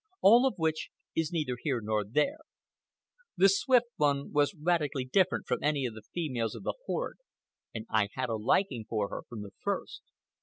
All of which is neither here nor there. The Swift One was radically different from any of the females of the horde, and I had a liking for her from the first.